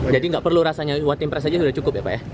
jadi nggak perlu rasanya one team press aja sudah cukup ya pak ya